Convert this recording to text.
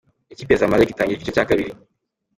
':Ikipe ya Zamalek itangije igice cya kabiri.